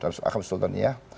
dalam akhbar sultaniyah